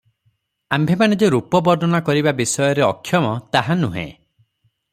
ଆମ୍ଭେମାନେ ଯେ ରୂପ ବର୍ଣ୍ଣନା କରିବା ବିଷୟରେ ଅକ୍ଷମ, ତାହା ନୁହେଁ ।